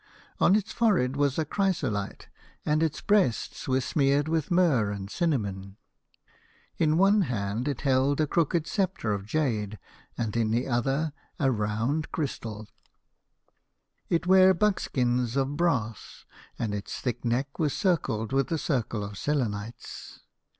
On its forehead was a chrysolite, and its breasts were smeared with myrrh and cinnamon. In one hand it held a crooked 94 The Fisherman and his Soul. sceptre of jade, and in the other a round crystal. It ware buskins of brass, and its thick neck was circled with a circle of selenites.